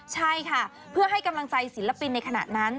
ใช่ค่ะเพื่อให้กำลังใจศิลปินในขณะนั้น